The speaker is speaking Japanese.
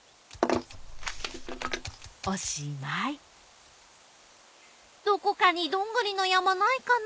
おしまいどこかにどんぐりの山ないかな？